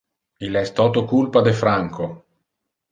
Il es toto culpa de Franco.